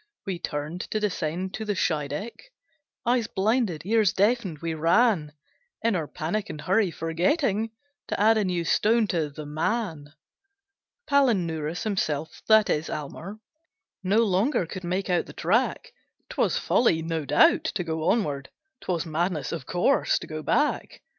We turned to descend to the Scheideck, Eyes blinded, ears deafened, we ran, In our panic and hurry, forgetting To add a new stone to the man. Palinurus himself that is Almer No longer could make out the track; 'Twas folly, no doubt, to go onward; 'Twas madness, of course, to go back.